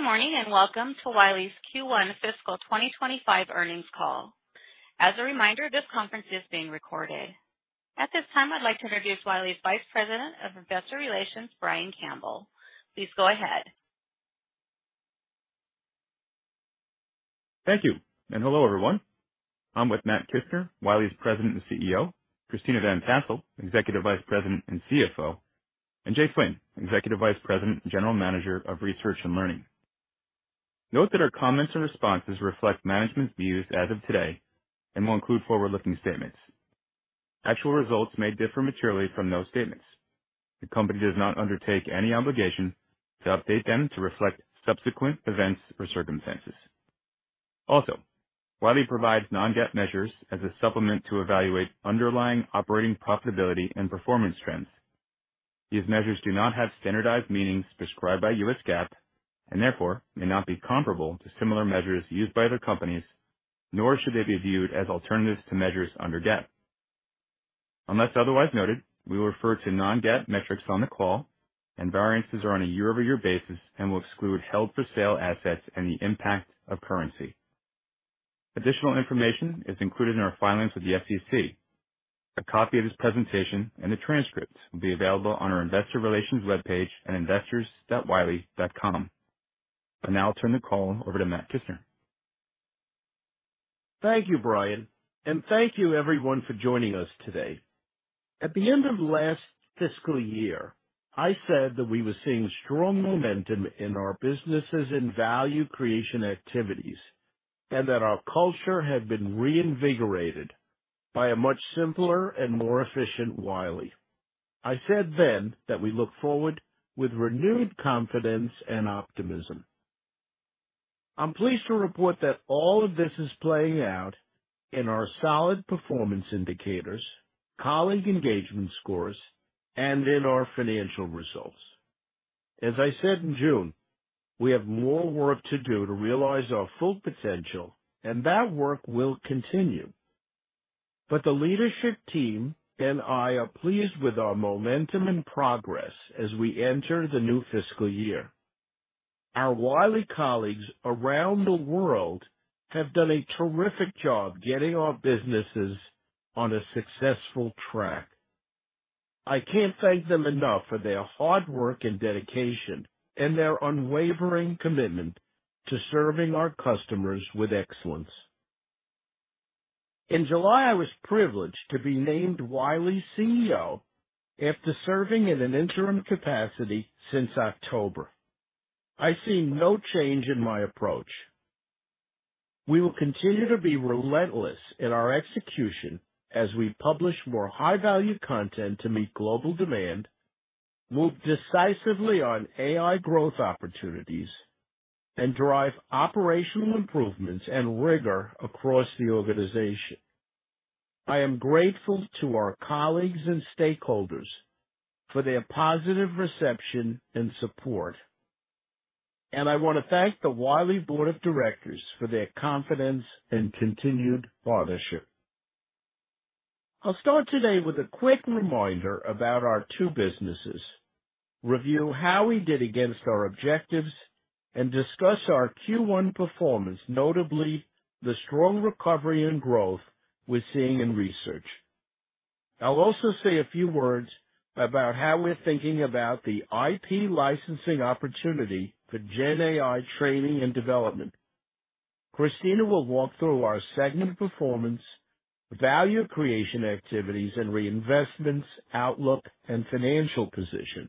Good morning, and welcome to Wiley's Q1 fiscal twenty twenty-five earnings call. As a reminder, this conference is being recorded. At this time, I'd like to introduce Wiley's Vice President of Investor Relations, Brian Campbell. Please go ahead. Thank you, and hello, everyone. I'm with Matt Kissner, Wiley's President and CEO, Christina Van Tassel, Executive Vice President and CFO, and Jay Flynn, Executive Vice President and General Manager of Research and Learning. Note that our comments and responses reflect management's views as of today and will include forward-looking statements. Actual results may differ materially from those statements. The company does not undertake any obligation to update them to reflect subsequent events or circumstances. Also, Wiley provides non-GAAP measures as a supplement to evaluate underlying operating profitability and performance trends. These measures do not have standardized meanings prescribed by U.S. GAAP and therefore may not be comparable to similar measures used by other companies, nor should they be viewed as alternatives to measures under GAAP. Unless otherwise noted, we will refer to non-GAAP metrics on the call, and variances are on a year-over-year basis and will exclude held-for-sale assets and the impact of currency. Additional information is included in our filings with the SEC. A copy of this presentation and the transcript will be available on our investor relations webpage at investors.wiley.com. I'll now turn the call over to Matt Kissner. Thank you, Brian, and thank you everyone for joining us today. At the end of last fiscal year, I said that we were seeing strong momentum in our businesses and value creation activities, and that our culture had been reinvigorated by a much simpler and more efficient Wiley. I said then that we look forward with renewed confidence and optimism. I'm pleased to report that all of this is playing out in our solid performance indicators, colleague engagement scores, and in our financial results. As I said in June, we have more work to do to realize our full potential, and that work will continue. But the leadership team and I are pleased with our momentum and progress as we enter the new fiscal year. Our Wiley colleagues around the world have done a terrific job getting our businesses on a successful track. I can't thank them enough for their hard work and dedication and their unwavering commitment to serving our customers with excellence. In July, I was privileged to be named Wiley's CEO after serving in an interim capacity since October. I see no change in my approach. We will continue to be relentless in our execution as we publish more high-value content to meet global demand, move decisively on AI growth opportunities, and drive operational improvements and rigor across the organization. I am grateful to our colleagues and stakeholders for their positive reception and support, and I want to thank the Wiley Board of Directors for their confidence and continued partnership. I'll start today with a quick reminder about our two businesses, review how we did against our objectives, and discuss our Q1 performance, notably the strong recovery and growth we're seeing in research. I'll also say a few words about how we're thinking about the IP licensing opportunity for GenAI training and development. Christina will walk through our segment performance, value creation activities and reinvestments, outlook, and financial position.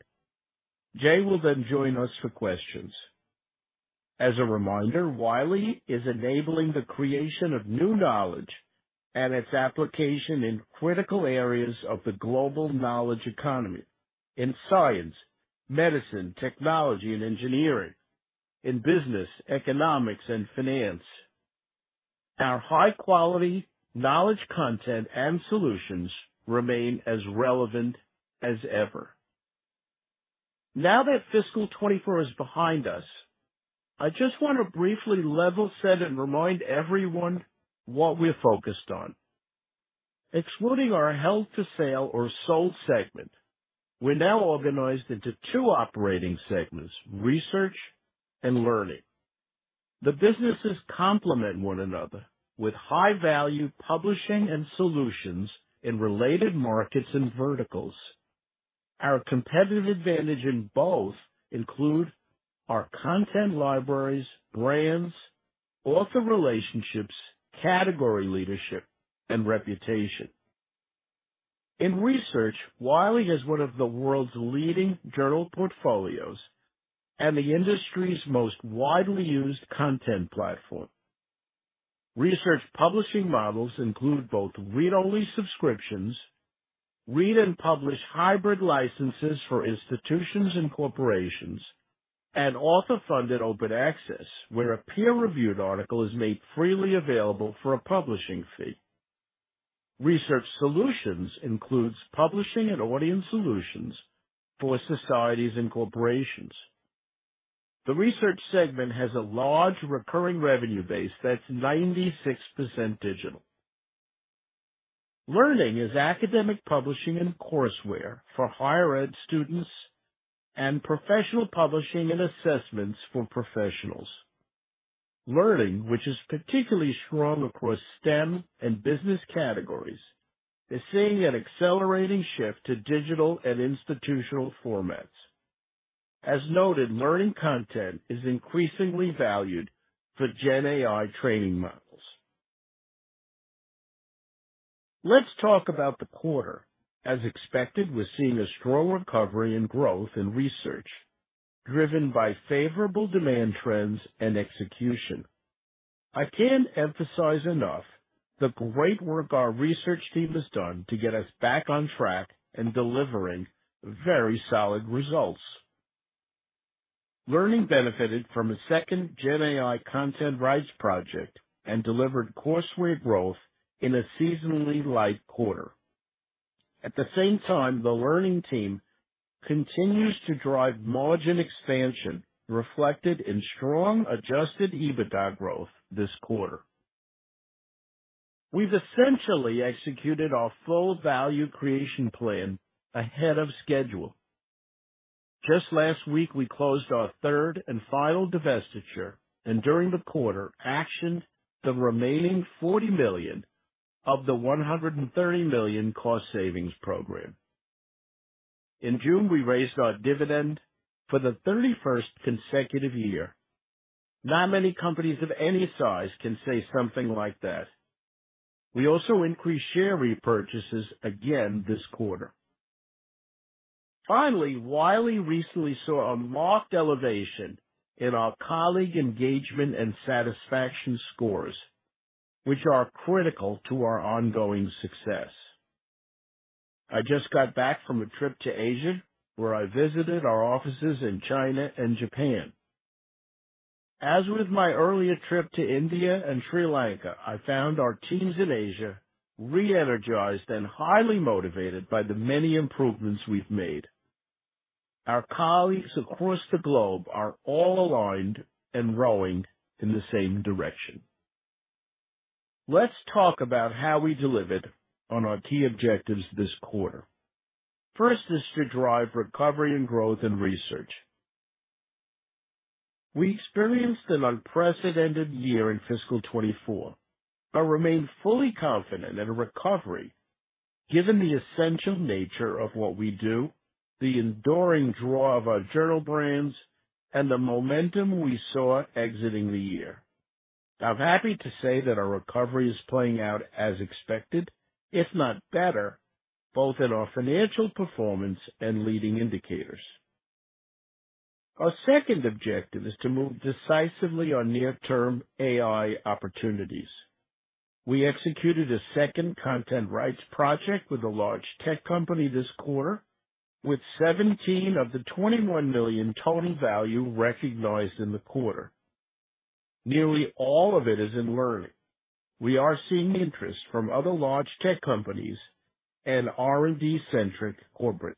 Jay will then join us for questions. As a reminder, Wiley is enabling the creation of new knowledge and its application in critical areas of the global knowledge economy in science, medicine, technology, and engineering, in business, economics, and finance. Our high-quality knowledge, content, and solutions remain as relevant as ever. Now that fiscal 2024 is behind us, I just want to briefly level set and remind everyone what we're focused on. Excluding our held-for-sale or sold segment, we're now organized into two operating segments, research and learning. The businesses complement one another with high-value publishing and solutions in related markets and verticals. Our competitive advantage in both include our content libraries, brands, author relationships, category leadership, and reputation. In research, Wiley has one of the world's leading journal portfolios and the industry's most widely used content platform. Research publishing models include both read-only subscriptions, read and publish hybrid licenses for institutions and corporations, and author-funded open access, where a peer-reviewed article is made freely available for a publishing fee. Research solutions includes publishing and audience solutions for societies and corporations. The research segment has a large recurring revenue base that's 96% digital.... Learning is academic publishing and courseware for higher ed students and professional publishing and assessments for professionals. Learning, which is particularly strong across STEM and business categories, is seeing an accelerating shift to digital and institutional formats. As noted, learning content is increasingly valued for GenAI training models. Let's talk about the quarter. As expected, we're seeing a strong recovery in growth in research, driven by favorable demand trends and execution. I can't emphasize enough the great work our research team has done to get us back on track in delivering very solid results. Learning benefited from a second GenAI content rights project and delivered courseware growth in a seasonally light quarter. At the same time, the learning team continues to drive margin expansion, reflected in strong Adjusted EBITDA growth this quarter. We've essentially executed our full Value Creation Plan ahead of schedule. Just last week, we closed our third and final divestiture, and during the quarter, actioned the remaining $40 million of the $130 million cost savings program. In June, we raised our dividend for the 31st consecutive year. Not many companies of any size can say something like that. We also increased share repurchases again this quarter. Finally, Wiley recently saw a marked elevation in our colleague engagement and satisfaction scores, which are critical to our ongoing success. I just got back from a trip to Asia, where I visited our offices in China and Japan. As with my earlier trip to India and Sri Lanka, I found our teams in Asia reenergized and highly motivated by the many improvements we've made. Our colleagues across the globe are all aligned and rowing in the same direction. Let's talk about how we delivered on our key objectives this quarter. First is to drive recovery and growth in research. We experienced an unprecedented year in fiscal 2024, but remained fully confident in a recovery, given the essential nature of what we do, the enduring draw of our journal brands, and the momentum we saw exiting the year. I'm happy to say that our recovery is playing out as expected, if not better, both in our financial performance and leading indicators. Our second objective is to move decisively on near-term AI opportunities. We executed a second content rights project with a large tech company this quarter, with $17 of the $21 million total value recognized in the quarter. Nearly all of it is in learning. We are seeing interest from other large tech companies and R&D-centric corporates.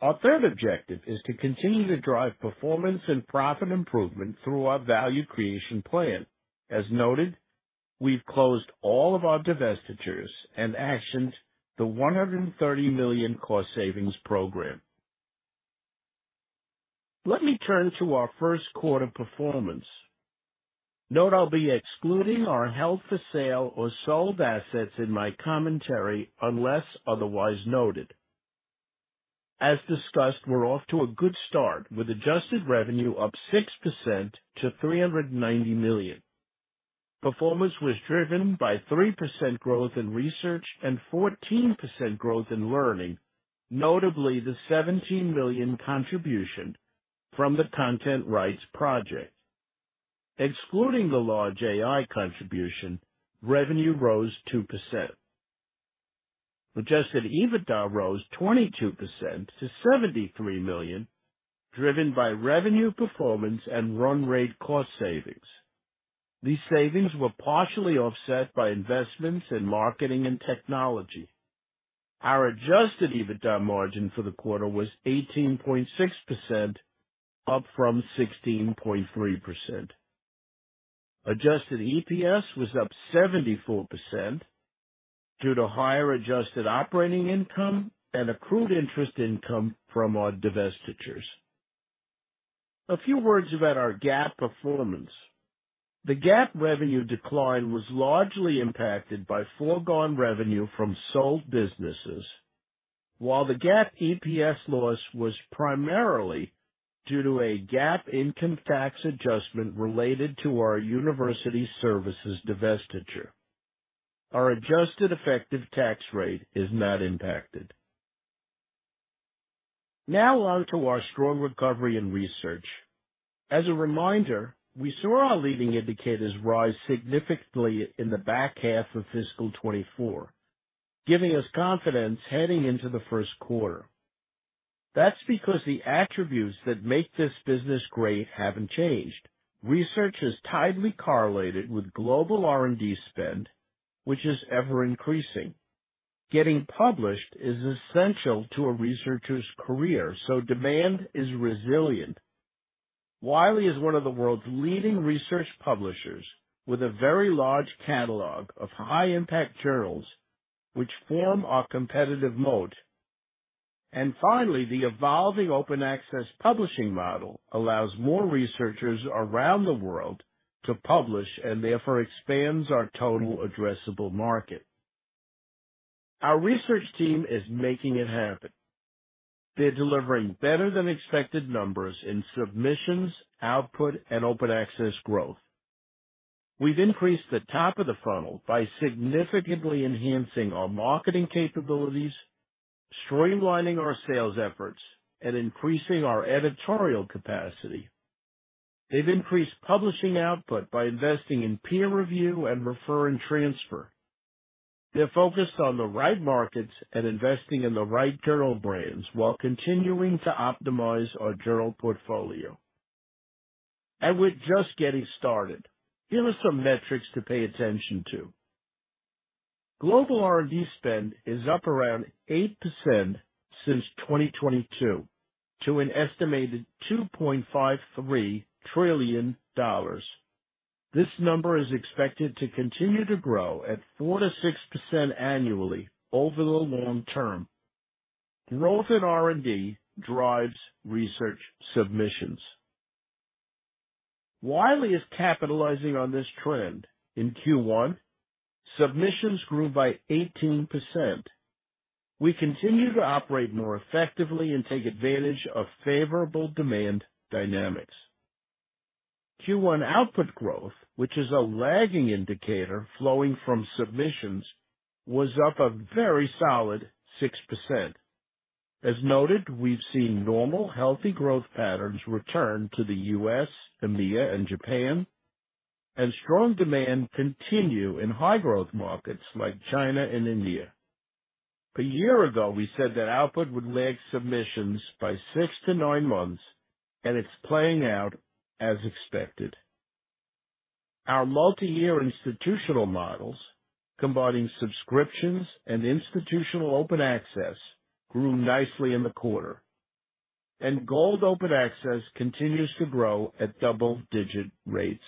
Our third objective is to continue to drive performance and profit improvement through our Value Creation Plan. As noted, we've closed all of our divestitures and actioned the $130 million cost savings program. Let me turn to our Q1 performance. Note, I'll be excluding our held-for-sale or sold assets in my commentary, unless otherwise noted. As discussed, we're off to a good start, with adjusted revenue up 6% to $390 million. Performance was driven by 3% growth in research and 14% growth in learning, notably the $17 million contribution from the content rights project. Excluding the large AI contribution, revenue rose 2%. Adjusted EBITDA rose 22% to $73 million, driven by revenue performance and run rate cost savings. These savings were partially offset by investments in marketing and technology. Our adjusted EBITDA margin for the quarter was 18.6%, up from 16.3%. Adjusted EPS was up 74% due to higher adjusted operating income and accrued interest income from our divestitures. A few words about our GAAP performance. The GAAP revenue decline was largely impacted by foregone revenue from sold businesses, while the GAAP EPS loss was primarily due to a GAAP income tax adjustment related to our University Services divestiture. Our adjusted effective tax rate is not impacted. Now on to our strong recovery in research. As a reminder, we saw our leading indicators rise significantly in the back half of fiscal 2024, giving us confidence heading into the Q1. That's because the attributes that make this business great haven't changed. Research is tightly correlated with global R&D spend, which is ever-increasing. Getting published is essential to a researcher's career, so demand is resilient. Wiley is one of the world's leading research publishers, with a very large catalog of high-impact journals which form our competitive moat. And finally, the evolving open access publishing model allows more researchers around the world to publish, and therefore expands our total addressable market. Our research team is making it happen. They're delivering better-than-expected numbers in submissions, output, and open access growth. We've increased the top of the funnel by significantly enhancing our marketing capabilities, streamlining our sales efforts, and increasing our editorial capacity. They've increased publishing output by investing in peer review and refer and transfer. They're focused on the right markets and investing in the right journal brands, while continuing to optimize our journal portfolio. And we're just getting started. Here are some metrics to pay attention to. Global R&D spend is up around 8% since 2022, to an estimated $2.53 trillion. This number is expected to continue to grow at 4%-6% annually over the long term. Growth in R&D drives research submissions. Wiley is capitalizing on this trend. In Q1, submissions grew by 18%. We continue to operate more effectively and take advantage of favorable demand dynamics. Q1 output growth, which is a lagging indicator flowing from submissions, was up a very solid 6%. As noted, we've seen normal, healthy growth patterns return to the U.S., EMEA, and Japan, and strong demand continue in high-growth markets like China and India. A year ago, we said that output would lag submissions by six to nine months, and it's playing out as expected. Our multiyear institutional models, combining subscriptions and institutional open access, grew nicely in the quarter, and gold open access continues to grow at double-digit rates.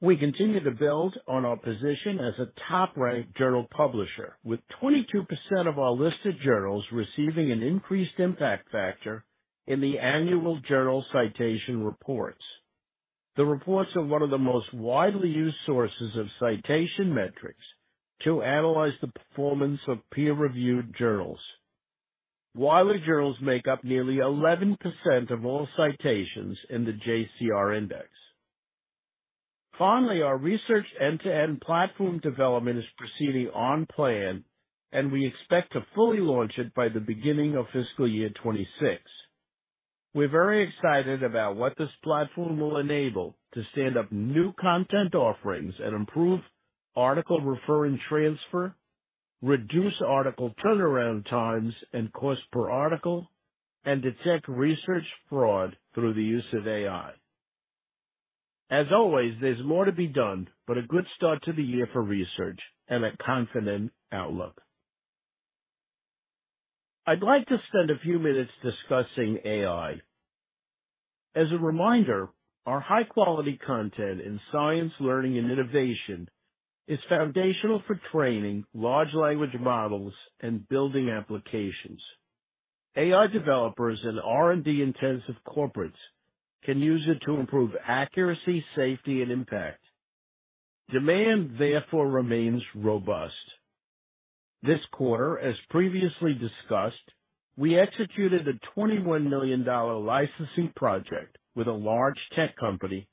We continue to build on our position as a top-ranked journal publisher, with 22% of our listed journals receiving an increased impact factor in the annual Journal Citation Reports. The reports are one of the most widely used sources of citation metrics to analyze the performance of peer-reviewed journals. Wiley journals make up nearly 11% of all citations in the JCR index. Finally, our research end-to-end platform development is proceeding on plan, and we expect to fully launch it by the beginning of fiscal year 2026. We're very excited about what this platform will enable to stand up new content offerings and improve article refer and transfer, reduce article turnaround times and cost per article, and detect research fraud through the use of AI. As always, there's more to be done, but a good start to the year for research and a confident outlook. I'd like to spend a few minutes discussing AI. As a reminder, our high-quality content in science, learning, and innovation is foundational for training large language models and building applications. AI developers and R&D-intensive corporates can use it to improve accuracy, safety, and impact. Demand, therefore, remains robust. This quarter, as previously discussed, we executed a $21 million licensing project with a large tech company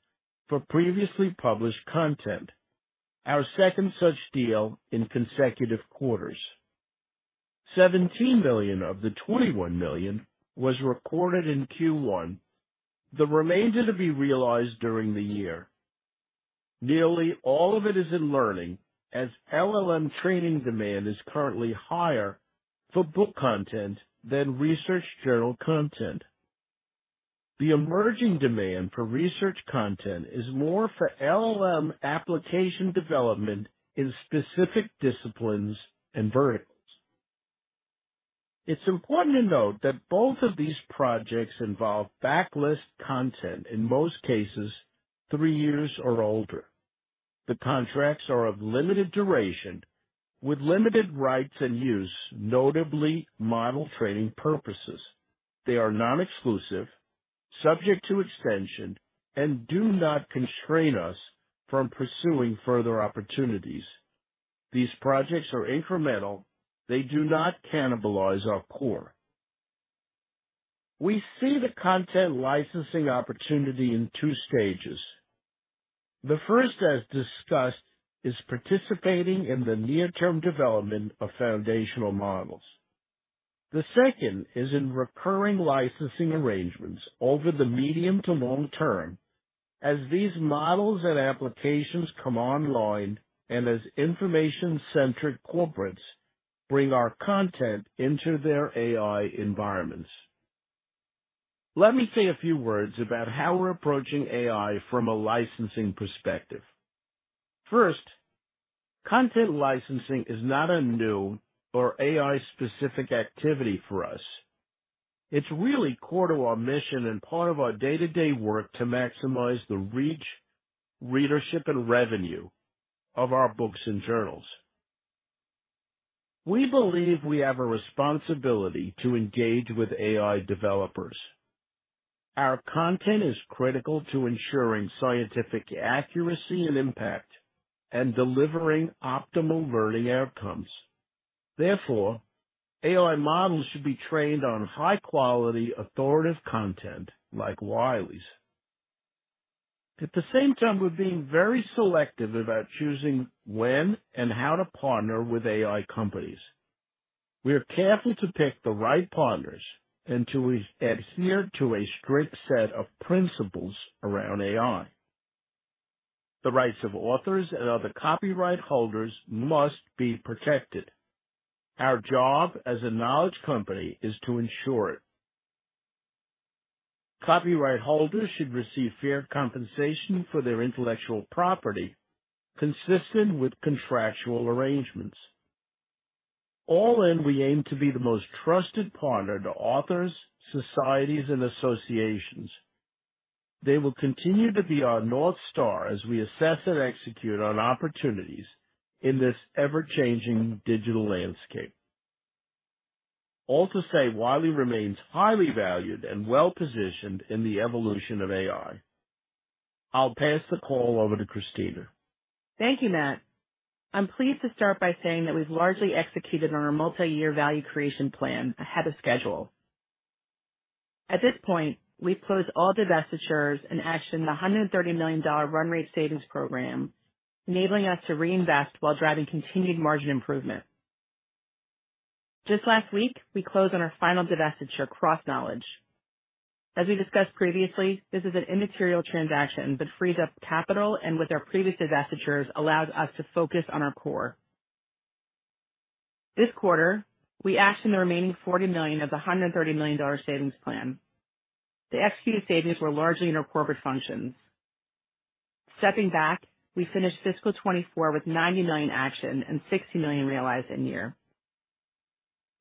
for previously published content, our second such deal in consecutive quarters. $17 million of the $21 million was recorded in Q1, the remainder to be realized during the year. Nearly all of it is in learning, as LLM training demand is currently higher for book content than research journal content. The emerging demand for research content is more for LLM application development in specific disciplines and verticals. It's important to note that both of these projects involve backlist content, in most cases, three years or older. The contracts are of limited duration, with limited rights and use, notably model training purposes. They are non-exclusive, subject to extension, and do not constrain us from pursuing further opportunities. These projects are incremental. They do not cannibalize our core. We see the content licensing opportunity in two stages. The first, as discussed, is participating in the near-term development of foundational models. The second is in recurring licensing arrangements over the medium to long term, as these models and applications come online and as information-centric corporates bring our content into their AI environments. Let me say a few words about how we're approaching AI from a licensing perspective. Content licensing is not a new or AI-specific activity for us. It's really core to our mission and part of our day-to-day work to maximize the reach, readership, and revenue of our books and journals. We believe we have a responsibility to engage with AI developers. Our content is critical to ensuring scientific accuracy and impact and delivering optimal learning outcomes. Therefore, AI models should be trained on high-quality, authoritative content like Wiley's. At the same time, we're being very selective about choosing when and how to partner with AI companies. We are careful to pick the right partners and to adhere to a strict set of principles around AI. The rights of authors and other copyright holders must be protected. Our job as a knowledge company is to ensure it. Copyright holders should receive fair compensation for their intellectual property, consistent with contractual arrangements. All in, we aim to be the most trusted partner to authors, societies, and associations. They will continue to be our North Star as we assess and execute on opportunities in this ever-changing digital landscape. All to say, Wiley remains highly valued and well-positioned in the evolution of AI. I'll pass the call over to Christina. Thank you, Matt. I'm pleased to start by saying that we've largely executed on our multi-year Value Creation Plan ahead of schedule. At this point, we've closed all divestitures and actioned the $130 million run rate savings program, enabling us to reinvest while driving continued margin improvement. Just last week, we closed on our final divestiture, CrossKnowledge. As we discussed previously, this is an immaterial transaction, but frees up capital and with our previous divestitures, allows us to focus on our core. This quarter, we actioned the remaining $40 million of the $130 million savings plan. The executed savings were largely in our corporate functions. Stepping back, we finished fiscal 2024 with $90 million actioned and $60 million realized in-year.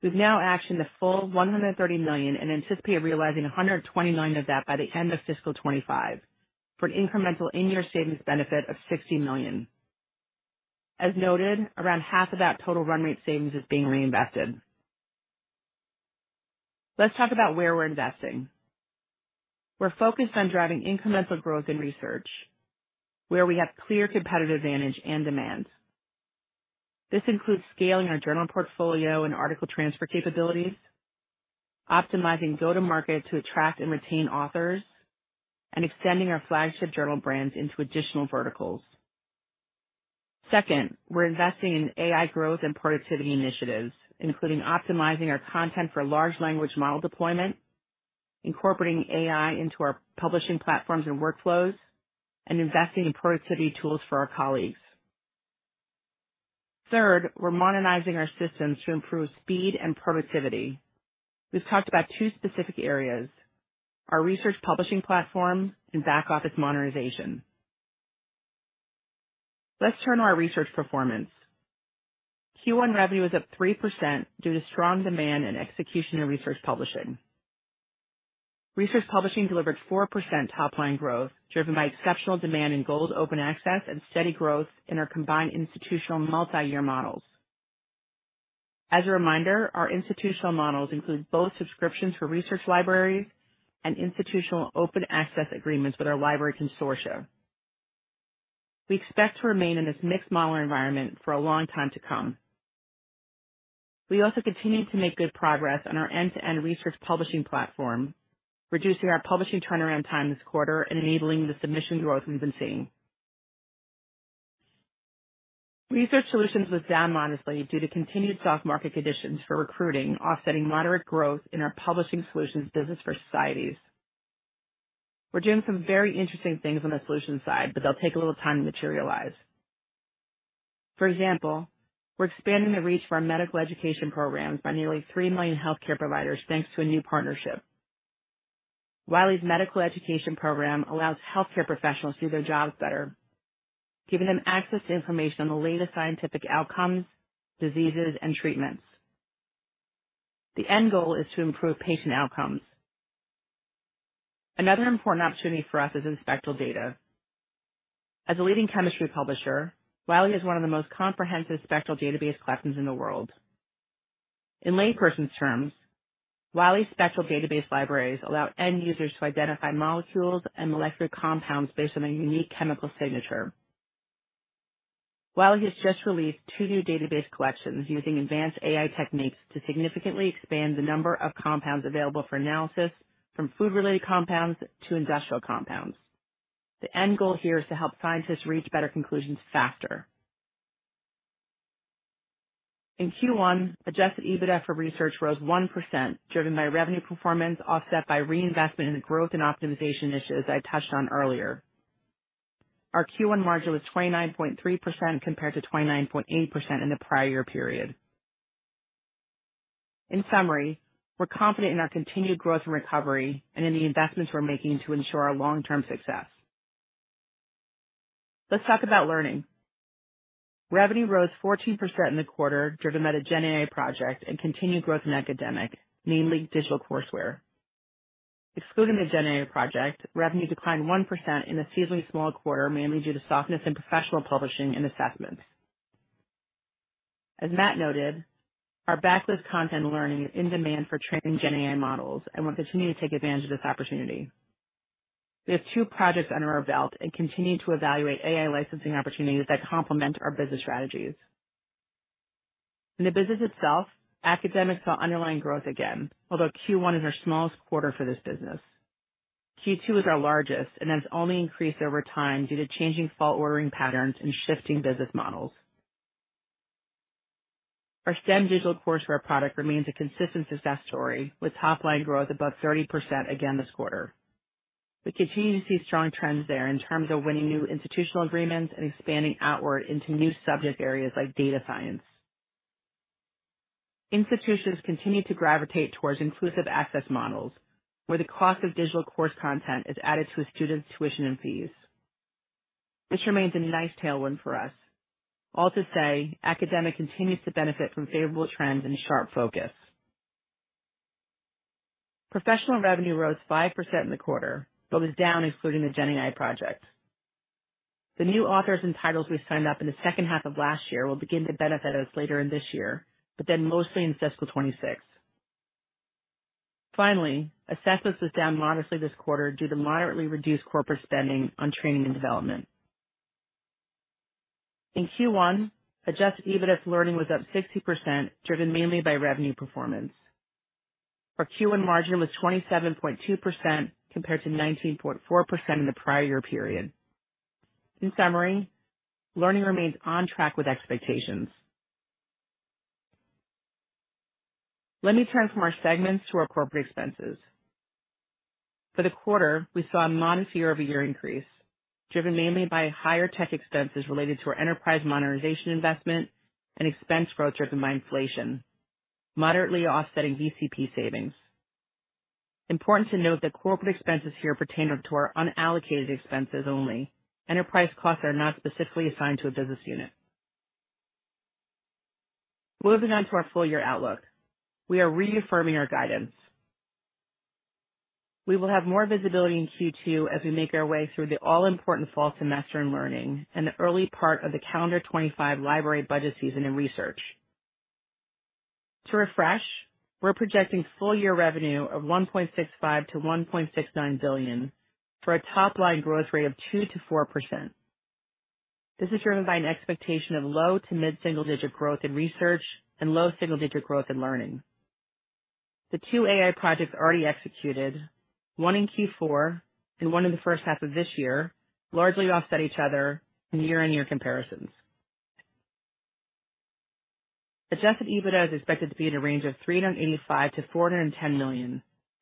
We've now actioned the full $130 million, and anticipate realizing $120 million of that by the end of fiscal 2025, for an incremental in-year savings benefit of $60 million. As noted, around half of that total run rate savings is being reinvested. Let's talk about where we're investing. We're focused on driving incremental growth in research, where we have clear competitive advantage and demand. This includes scaling our journal portfolio and article transfer capabilities, optimizing go-to-market to attract and retain authors, and extending our flagship journal brands into additional verticals. Second, we're investing in AI growth and productivity initiatives, including optimizing our content for large language model deployment, incorporating AI into our publishing platforms and workflows, and investing in productivity tools for our colleagues. Third, we're modernizing our systems to improve speed and productivity. We've talked about two specific areas, our research publishing platform and back office modernization. Let's turn to our research performance. Q1 revenue was up 3% due to strong demand and execution in research publishing. Research publishing delivered 4% top-line growth, driven by exceptional demand in gold open access and steady growth in our combined institutional multi-year models. As a reminder, our institutional models include both subscriptions for research libraries and institutional open access agreements with our library consortia. We expect to remain in this mixed model environment for a long time to come. We also continued to make good progress on our end-to-end research publishing platform, reducing our publishing turnaround time this quarter and enabling the submission growth we've been seeing. Research solutions was down modestly due to continued soft market conditions for recruiting, offsetting moderate growth in our publishing solutions business for societies. We're doing some very interesting things on the solutions side, but they'll take a little time to materialize. For example, we're expanding the reach of our medical education programs by nearly three million healthcare providers, thanks to a new partnership. Wiley's medical education program allows healthcare professionals to do their jobs better, giving them access to information on the latest scientific outcomes, diseases, and treatments. The end goal is to improve patient outcomes. Another important opportunity for us is in spectral data. As a leading chemistry publisher, Wiley has one of the most comprehensive spectral database collections in the world. In layperson's terms, Wiley's spectral database libraries allow end users to identify molecules and molecular compounds based on a unique chemical signature. Wiley has just released two new database collections using advanced AI techniques to significantly expand the number of compounds available for analysis, from food-related compounds to industrial compounds. The end goal here is to help scientists reach better conclusions faster. In Q1, Adjusted EBITDA for research rose 1%, driven by revenue performance, offset by reinvestment in the growth and optimization initiatives I touched on earlier. Our Q1 margin was 29.3%, compared to 29.8% in the prior year period. In summary, we're confident in our continued growth and recovery and in the investments we're making to ensure our long-term success. Let's talk about learning. Revenue rose 14% in the quarter, driven by the GenAI project and continued growth in academic, namely digital courseware. Excluding the GenAI project, revenue declined 1% in a seasonally small quarter, mainly due to softness in professional publishing and assessments. As Matt noted, our backlist content learning is in demand for training GenAI models, and we'll continue to take advantage of this opportunity. We have two projects under our belt and continue to evaluate AI licensing opportunities that complement our business strategies. In the business itself, academics saw underlying growth again, although Q1 is our smallest quarter for this business. Q2 is our largest, and has only increased over time due to changing fall ordering patterns and shifting business models. Our STEM digital courseware product remains a consistent success story, with top line growth above 30% again this quarter. We continue to see strong trends there in terms of winning new institutional agreements and expanding outward into new subject areas like data science. Institutions continue to gravitate towards inclusive access models, where the cost of digital course content is added to a student's tuition and fees. This remains a nice tailwind for us. All to say, academic continues to benefit from favorable trends and sharp focus. Professional revenue rose 5% in the quarter, but was down excluding the GenAI project. The new authors and titles we signed up in the second half of last year will begin to benefit us later in this year, but then mostly in fiscal twenty-six. Finally, assessments was down modestly this quarter due to moderately reduced corporate spending on training and development. In Q1, Adjusted EBITDA learning was up 60%, driven mainly by revenue performance. Our Q1 margin was 27.2% compared to 19.4% in the prior year period. In summary, learning remains on track with expectations. Let me turn from our segments to our corporate expenses. For the quarter, we saw a modest year-over-year increase, driven mainly by higher tech expenses related to our enterprise monetization investment and expense growth driven by inflation, moderately offsetting VCP savings. Important to note that corporate expenses here pertain to our unallocated expenses only. Enterprise costs are not specifically assigned to a business unit. Moving on to our full year outlook, we are reaffirming our guidance. We will have more visibility in Q2 as we make our way through the all-important fall semester in learning and the early part of the calendar 2025 library budget season in research. To refresh, we're projecting full year revenue of $1.65-$1.69 billion, for a top line growth rate of 2-4%. This is driven by an expectation of low to mid-single digit growth in research and low single digit growth in learning. The two AI projects already executed, one in Q4 and one in the first half of this year, largely offset each other in year-on-year comparisons. Adjusted EBITDA is expected to be in a range of $385 million-$410 million,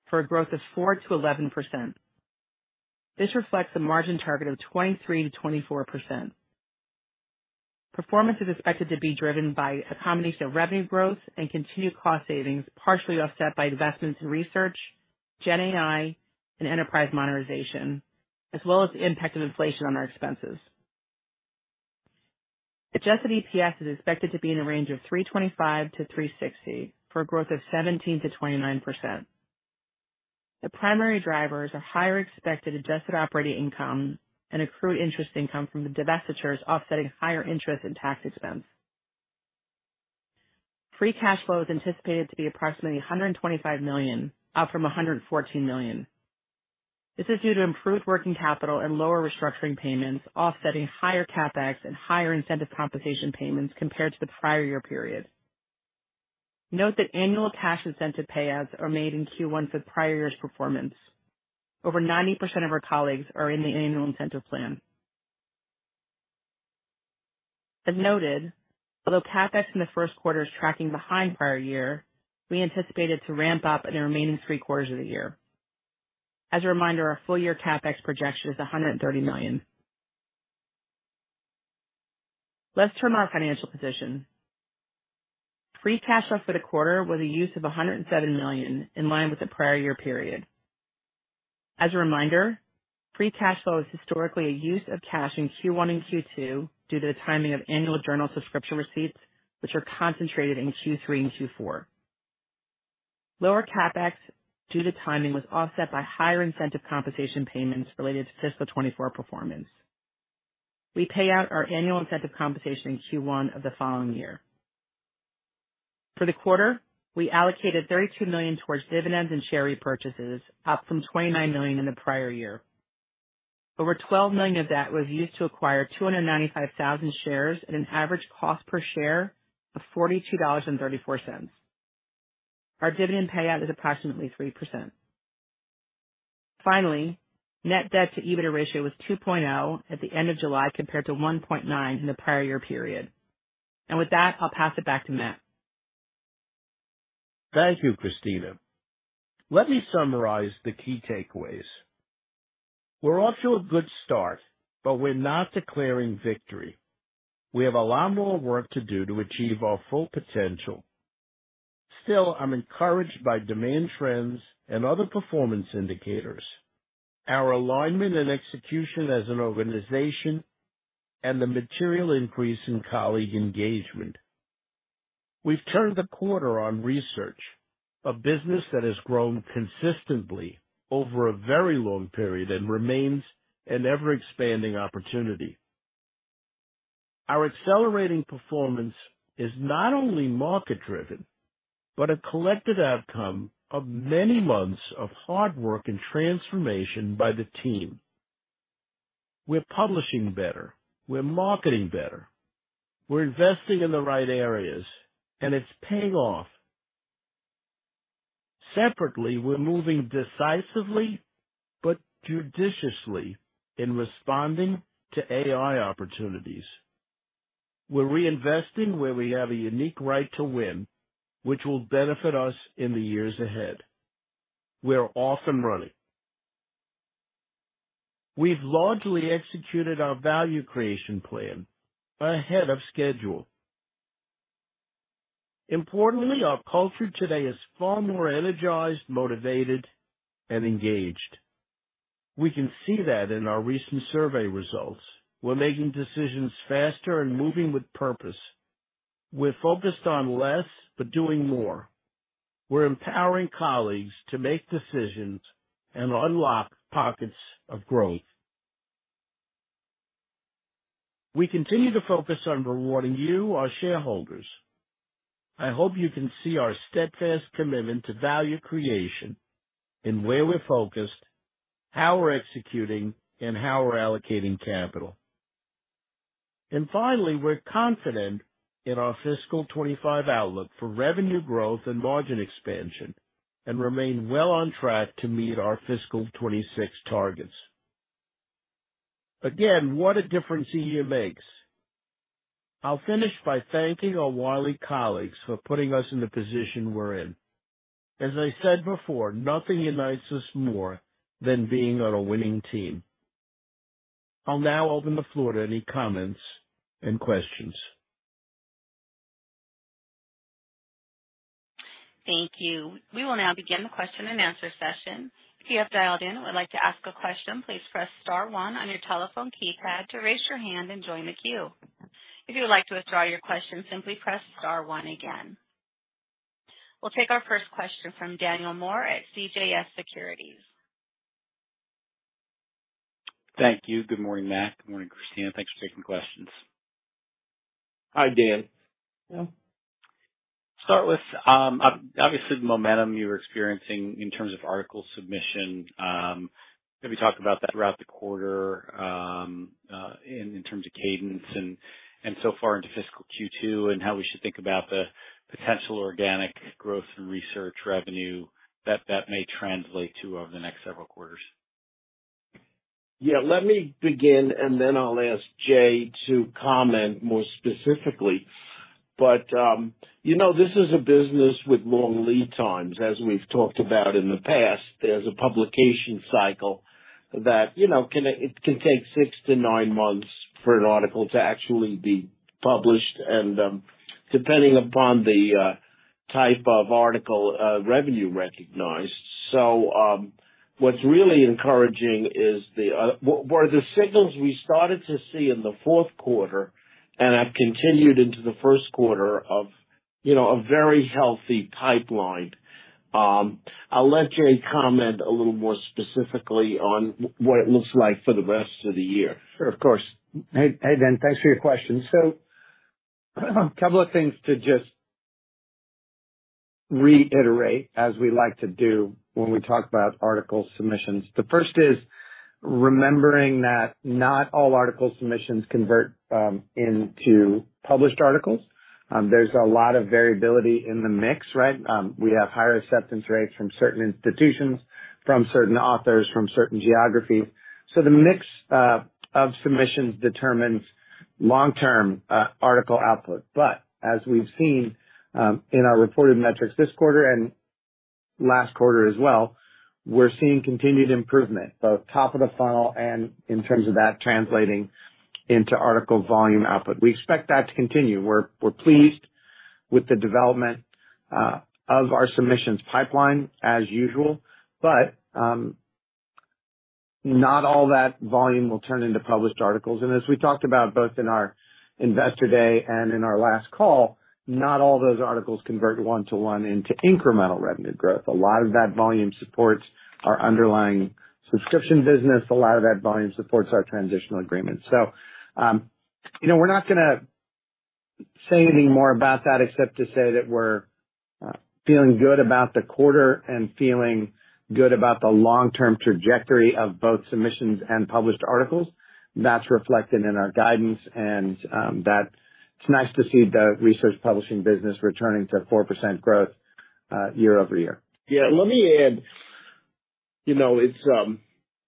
for a growth of 4%-11%. This reflects a margin target of 23%-24%. Performance is expected to be driven by a combination of revenue growth and continued cost savings, partially offset by investments in research, GenAI, and enterprise monetization, as well as the impact of inflation on our expenses. Adjusted EPS is expected to be in the range of $3.25-$3.60, for a growth of 17%-29%. The primary drivers are higher expected adjusted operating income and accrued interest income from the divestitures, offsetting higher interest and tax expense. Free cash flow is anticipated to be approximately $125 million, up from $114 million. This is due to improved working capital and lower restructuring payments, offsetting higher CapEx and higher incentive compensation payments compared to the prior year period. Note that annual cash incentive payouts are made in Q1 for the prior year's performance. Over 90% of our colleagues are in the annual incentive plan. As noted, although CapEx in the Q1 is tracking behind prior year, we anticipate it to ramp up in the remaining three quarters of the year. As a reminder, our full year CapEx projection is $130 million. Let's turn to our financial position. Free cash flow for the quarter was a use of $107 million, in line with the prior year period. As a reminder, free cash flow is historically a use of cash in Q1 and Q2 due to the timing of annual journal subscription receipts, which are concentrated in Q3 and Q4. Lower CapEx due to timing was offset by higher incentive compensation payments related to fiscal 2024 performance. We pay out our annual incentive compensation in Q1 of the following year. For the quarter, we allocated $32 million towards dividends and share repurchases, up from $29 million in the prior year. Over $12 million of that was used to acquire 295,000 shares at an average cost per share of $42.34. Our dividend payout is approximately 3%. Finally, net debt to EBITDA ratio was 2.0 at the end of July, compared to 1.9 in the prior year period. And with that, I'll pass it back to Matt. Thank you, Christina. Let me summarize the key takeaways... We're off to a good start, but we're not declaring victory. We have a lot more work to do to achieve our full potential. Still, I'm encouraged by demand trends and other performance indicators, our alignment and execution as an organization, and the material increase in colleague engagement. We've turned the corner on research, a business that has grown consistently over a very long period and remains an ever-expanding opportunity. Our accelerating performance is not only market-driven, but a collective outcome of many months of hard work and transformation by the team. We're publishing better, we're marketing better, we're investing in the right areas, and it's paying off. Separately, we're moving decisively but judiciously in responding to AI opportunities. We're reinvesting where we have a unique right to win, which will benefit us in the years ahead. We're off and running. We've largely executed our Value Creation Plan ahead of schedule. Importantly, our culture today is far more energized, motivated, and engaged. We can see that in our recent survey results. We're making decisions faster and moving with purpose. We're focused on less, but doing more. We're empowering colleagues to make decisions and unlock pockets of growth. We continue to focus on rewarding you, our shareholders. I hope you can see our steadfast commitment to value creation in where we're focused, how we're executing, and how we're allocating capital. And finally, we're confident in our fiscal twenty-five outlook for revenue growth and margin expansion, and remain well on track to meet our fiscal twenty-six targets. Again, what a difference a year makes! I'll finish by thanking our Wiley colleagues for putting us in the position we're in. As I said before, nothing unites us more than being on a winning team. I'll now open the floor to any comments and questions. Thank you. We will now begin the question-and-answer session. If you have dialed in and would like to ask a question, please press star one on your telephone keypad to raise your hand and join the queue. If you would like to withdraw your question, simply press star one again. We'll take our first question from Daniel Moore at CJS Securities. Thank you. Good morning, Matt. Good morning, Christina. Thanks for taking questions. Hi, Dan. Start with, obviously, the momentum you were experiencing in terms of article submission. Maybe talk about that throughout the quarter, in terms of cadence and so far into fiscal Q2, and how we should think about the potential organic growth in research revenue that may translate to over the next several quarters. Yeah, let me begin, and then I'll ask Jay to comment more specifically. But, you know, this is a business with long lead times. As we've talked about in the past, there's a publication cycle that, you know, it can take six to nine months for an article to actually be published, and, depending upon the type of article, revenue recognized. So, what's really encouraging is the signals we started to see in the Q4 and have continued into the Q1 of, you know, a very healthy pipeline. I'll let Jay comment a little more specifically on what it looks like for the rest of the year. Sure, of course. Hey, Dan, thanks for your question. So couple of things to just reiterate, as we like to do when we talk about article submissions. The first is remembering that not all article submissions convert into published articles. There's a lot of variability in the mix, right? We have higher acceptance rates from certain institutions, from certain authors, from certain geographies. So the mix of submissions determines long-term article output. But as we've seen in our reported metrics this quarter and last quarter as well, we're seeing continued improvement, both top of the funnel and in terms of that translating into article volume output. We expect that to continue. We're pleased with the development of our submissions pipeline as usual, but not all that volume will turn into published articles. And as we talked about both in our investor day and in our last call, not all those articles convert one to one into incremental revenue growth. A lot of that volume supports our underlying subscription business. A lot of that volume supports our transitional agreements. So, you know, we're not gonna say anything more about that, except to say that we're feeling good about the quarter and feeling good about the long-term trajectory of both submissions and published articles. That's reflected in our guidance and that it's nice to see the research publishing business returning to 4% growth year over year. Yeah, let me add. You know, it's,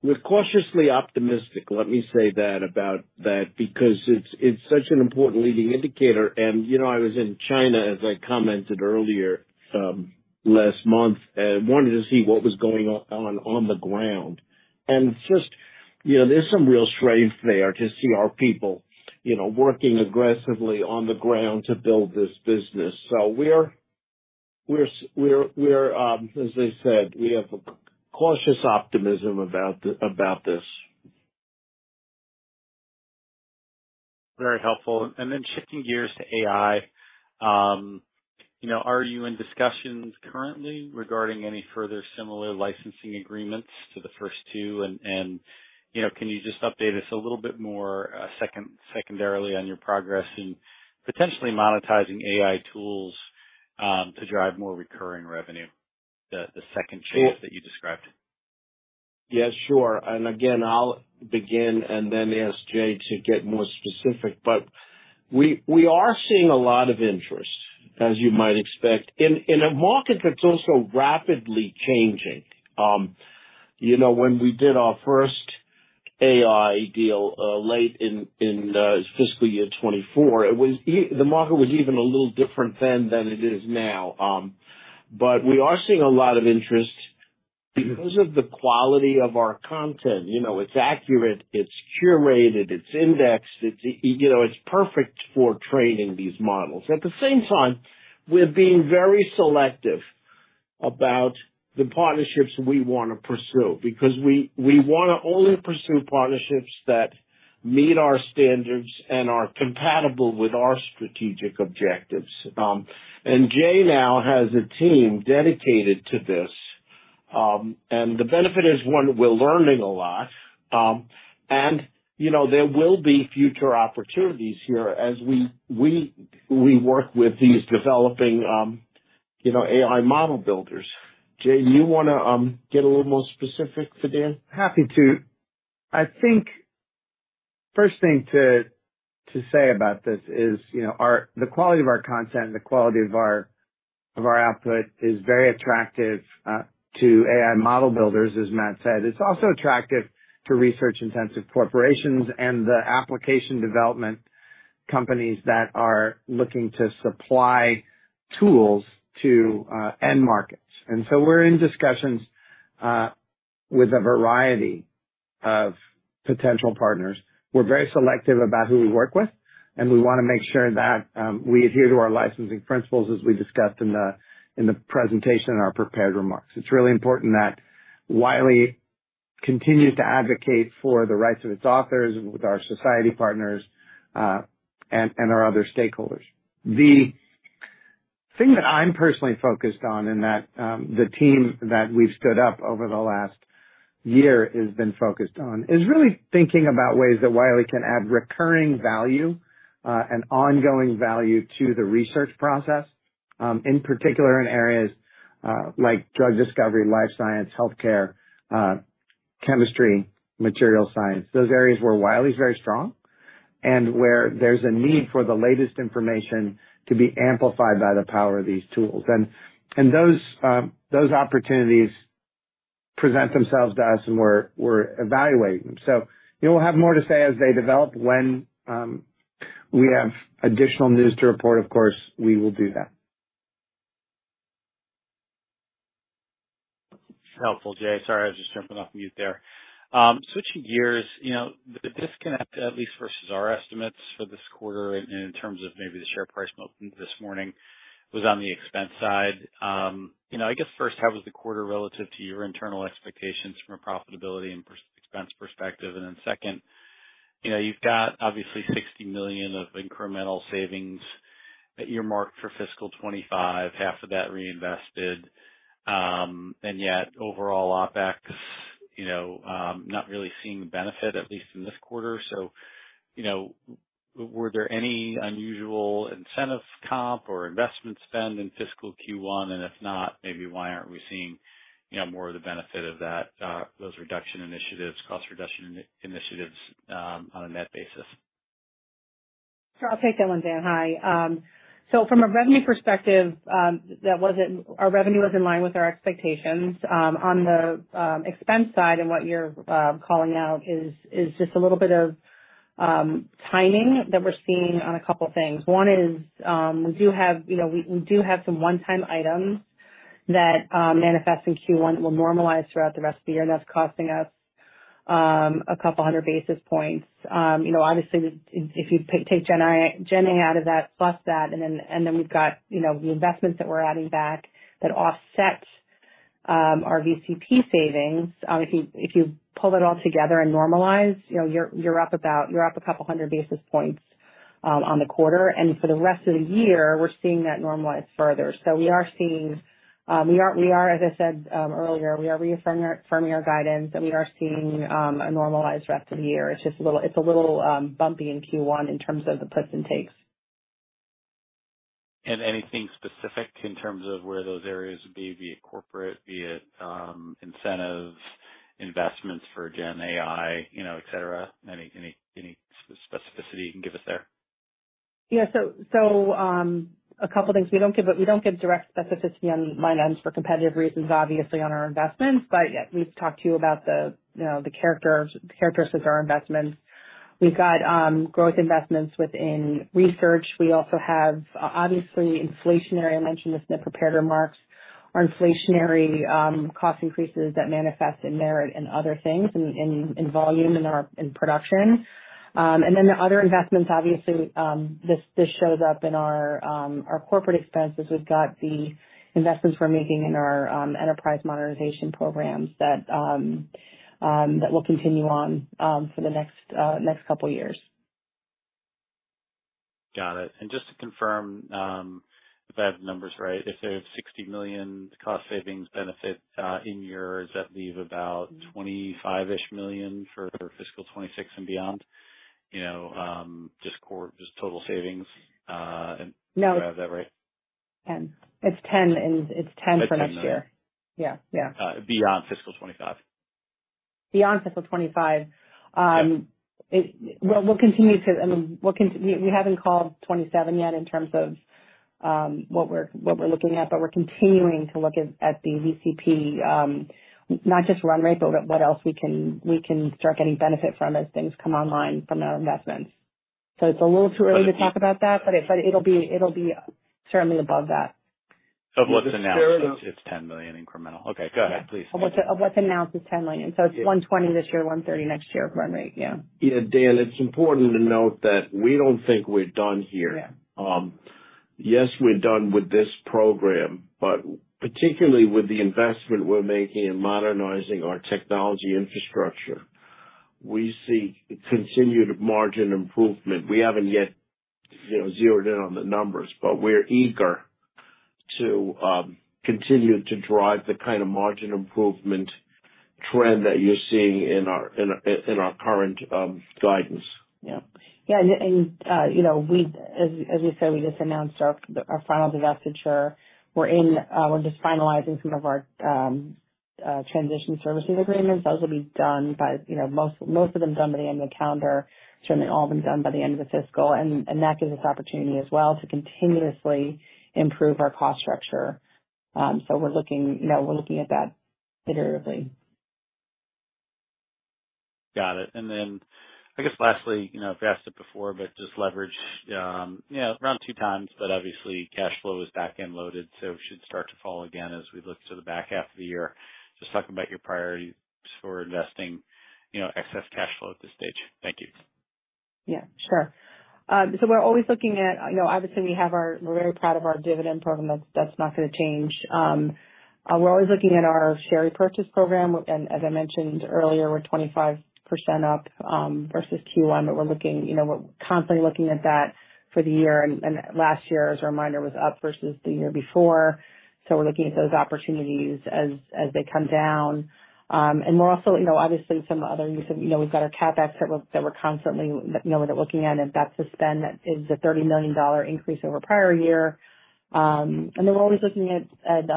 we're cautiously optimistic, let me say that about that, because it's such an important leading indicator. And, you know, I was in China, as I commented earlier, last month, and wanted to see what was going on on the ground. And just, you know, there's some real strength there to see our people, you know, working aggressively on the ground to build this business. So we're, as I said, we have a cautious optimism about this. Very helpful. And then, shifting gears to AI, you know, are you in discussions currently regarding any further similar licensing agreements to the first two? And, you know, can you just update us a little bit more, secondarily on your progress in potentially monetizing AI tools to drive more recurring revenue, the second phase that you described? Yeah, sure. And again, I'll begin and then ask Jay to get more specific, but we are seeing a lot of interest, as you might expect, in a market that's also rapidly changing. You know, when we did our first AI deal late in fiscal year 2024, the market was even a little different then than it is now. But we are seeing a lot of interest because of the quality of our content. You know, it's accurate, it's curated, it's indexed, it's, you know, it's perfect for training these models. At the same time, we're being very selective about the partnerships we want to pursue, because we want to only pursue partnerships that meet our standards and are compatible with our strategic objectives. And Jay now has a team dedicated to this. And the benefit is, one, we're learning a lot, and, you know, there will be future opportunities here as we work with these developing, you know, AI model builders. Jay, do you want to get a little more specific for Dan? Happy to. I think first thing to say about this is, you know, the quality of our content and the quality of our output is very attractive to AI model builders, as Matt said. It's also attractive to research-intensive corporations and the application development companies that are looking to supply tools to end markets. And so we're in discussions with a variety of potential partners. We're very selective about who we work with, and we want to make sure that we adhere to our licensing principles, as we discussed in the presentation and our prepared remarks. It's really important that Wiley continues to advocate for the rights of its authors with our society partners and our other stakeholders. The thing that I'm personally focused on, and that, the team that we've stood up over the last year has been focused on, is really thinking about ways that Wiley can add recurring value, and ongoing value to the research process. In particular, in areas, like drug discovery, life science, healthcare, chemistry, material science, those areas where Wiley is very strong and where there's a need for the latest information to be amplified by the power of these tools, and those opportunities present themselves to us, and we're evaluating them, so you know, we'll have more to say as they develop. When we have additional news to report, of course, we will do that. Helpful, Jay. Sorry, I was just jumping off mute there. Switching gears, you know, the disconnect, at least versus our estimates for this quarter in terms of maybe the share price movement this morning, was on the expense side. You know, I guess first, how was the quarter relative to your internal expectations from a profitability and expense perspective? And then second, you know, you've got obviously $60 million of incremental savings that you're marked for fiscal 2025, half of that reinvested, and yet overall OpEx, you know, not really seeing the benefit, at least in this quarter. So, you know, were there any unusual incentive comp or investment spend in fiscal Q1? And if not, maybe why aren't we seeing, you know, more of the benefit of that, those reduction initiatives, cost reduction initiatives, on a net basis? Sure. I'll take that one, Dan. Hi. So from a revenue perspective, that wasn't... Our revenue was in line with our expectations. On the expense side, and what you're calling out is just a little bit of timing that we're seeing on a couple things. One is, we do have, you know, some one-time items that manifest in Q1 that will normalize throughout the rest of the year, and that's costing us a couple hundred basis points. You know, obviously, if you take GenAI out of that, plus that, and then we've got, you know, the investments that we're adding back that offset our VCP savings. If you pull it all together and normalize, you know, you're up about a couple hundred basis points on the quarter. For the rest of the year, we're seeing that normalize further. We are seeing, as I said earlier, we are reaffirming our guidance, and we are seeing a normalized rest of the year. It's just a little bumpy in Q1 in terms of the puts and takes. Anything specific in terms of where those areas would be, be it corporate, be it, incentives, investments for GenAI, you know, et cetera? Any specificity you can give us there? Yeah. So, a couple things. We don't give, we don't give direct specificity on finance for competitive reasons, obviously on our investments. But, yeah, we've talked to you about the, you know, the characteristics of our investments. We've got growth investments within research. We also have, obviously, inflationary. I mentioned this in the prepared remarks. Our inflationary cost increases that manifest in merit and other things, in volume, in our production. And then the other investments, obviously, this shows up in our corporate expenses. We've got the investments we're making in our enterprise monetization programs that will continue on for the next couple years. Got it. And just to confirm, if I have the numbers right, if there's sixty million cost savings benefit, in year, does that leave about twenty-five-ish million for fiscal twenty-six and beyond? You know, just core, just total savings, and- No. Do I have that right? Ten. It's ten, and it's ten for next year. It's 10:00 A.M., all right. Yeah. Yeah. Beyond fiscal 2025. Beyond fiscal 2025, Yeah. Well, we'll continue to, I mean, we'll continue. We haven't called twenty-seven yet in terms of what we're looking at, but we're continuing to look at the VCP, not just run rate, but what else we can start getting benefit from as things come online from our investments. So it's a little too early to talk about that, but it'll be certainly above that. Of what's announced, it's $10 million incremental. Yeah, Dan- Okay, go ahead, please. Of what's announced is $10 million. So it's $120 this year, $130 next year, run rate. Yeah. Yeah, Dan, it's important to note that we don't think we're done here. Yeah. Yes, we're done with this program, but particularly with the investment we're making in modernizing our technology infrastructure, we see continued margin improvement. We haven't yet, you know, zeroed in on the numbers, but we're eager to continue to drive the kind of margin improvement trend that you're seeing in our current guidance. Yeah. Yeah, and, you know, we, as you said, we just announced our final divestiture. We're just finalizing some of our transition services agreements. Those will be done by, you know, most of them done by the end of calendar, certainly all of them done by the end of the fiscal. And that gives us opportunity as well to continuously improve our cost structure. So we're looking, you know, at that iteratively. Got it. And then I guess lastly, you know, I've asked it before, but just leverage, you know, around two times, but obviously cash flow is back-end loaded, so it should start to fall again as we look to the back half of the year. Just talking about your priorities for investing, you know, excess cash flow at this stage. Thank you. Yeah, sure. So we're always looking at, you know, obviously we have our-- we're very proud of our dividend program. That's, that's not going to change. We're always looking at our share repurchase program, and as I mentioned earlier, we're 25% up versus Q1, but we're looking, you know, we're constantly looking at that for the year, and last year, as a reminder, was up versus the year before. So we're looking at those opportunities as they come down. And we're also, you know, obviously some other use of, you know, we've got our CapEx that we're constantly, you know, looking at, and that's the spend, that is a $30 million increase over prior year. And then we're always looking at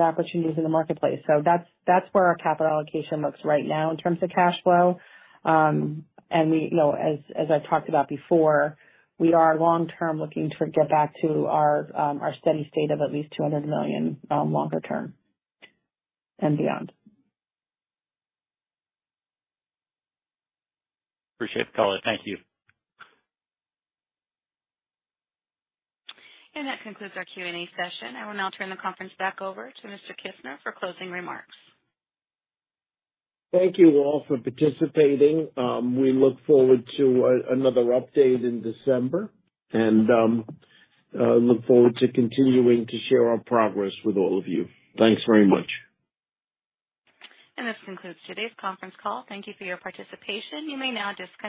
opportunities in the marketplace. So that's where our capital allocation looks right now in terms of cash flow. And we, you know, as I talked about before, we are long-term looking to get back to our steady state of at least $200 million longer term and beyond. Appreciate the call. Thank you. That concludes our Q&A session. I will now turn the conference back over to Mr. Kissner for closing remarks. Thank you all for participating. We look forward to another update in December, and look forward to continuing to share our progress with all of you. Thanks very much. This concludes today's conference call. Thank you for your participation. You may now disconnect.